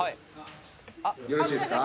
よろしいですか？